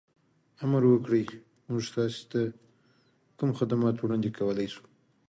There are several types of linguistic communicative problems that can arise in communication.